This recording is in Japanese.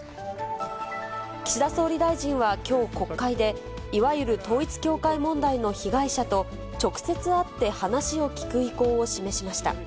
岸田総理大臣はきょう国会で、いわゆる統一教会問題の被害者と、直接会って話を聞く意向を示しました。